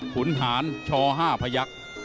ขุนหาญชอห้าพยัก